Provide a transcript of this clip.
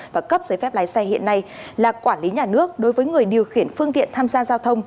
và cấp giấy phép lái xe hiện nay là quản lý nhà nước đối với người điều khiển phương tiện tham gia giao thông